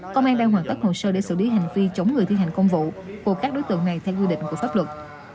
công an đang hoàn tất hồ sơ để xử lý hành vi chống người thi hành công vụ của các đối tượng này theo quy định của pháp luật